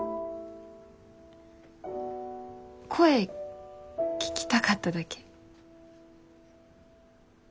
声聞きたかっただけ。